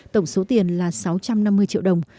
tổng số tiền là sáu trăm năm mươi triệu đồng